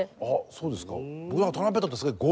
あっそうですか。